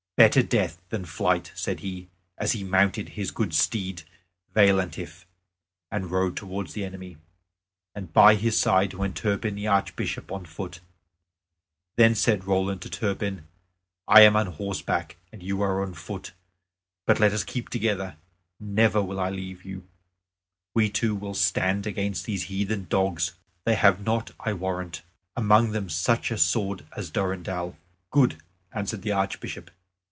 "Better death than flight," said he, as he mounted his good steed Veillantif, and rode towards the enemy. And by his side went Turpin the Archbishop on foot. Then said Roland to Turpin, "I am on horseback and you are on foot. But let us keep together; never will I leave you; we two will stand against these heathen dogs. They have not, I warrant, among them such a sword as Durendal." "Good," answered the Archbishop.